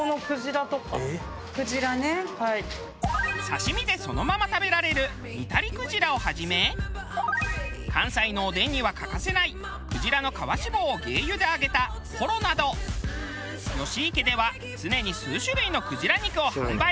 刺身でそのまま食べられるニタリクジラをはじめ関西のおでんには欠かせないクジラの皮脂肪を鯨油で揚げたコロなど吉池では常に数種類のクジラ肉を販売。